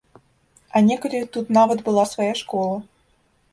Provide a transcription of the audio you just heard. А некалі тут нават была свая школа.